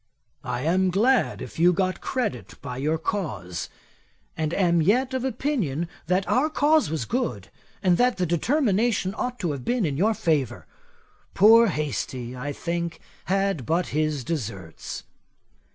'I am glad if you got credit by your cause, and am yet of opinion, that our cause was good, and that the determination ought to have been in your favour. Poor Hastie, I think, had but his deserts.